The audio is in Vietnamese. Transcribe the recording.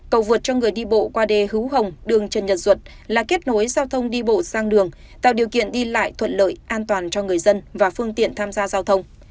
cầu vượt cho người đi bộ qua đê hữu hồng đường trần nhật duật là kết nối giao thông đi bộ sang đường tạo điều kiện đi lại thuận lợi an toàn cho người dân và phương tiện tham gia giao thông